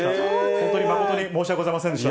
本当に誠に申し訳ございませんでした。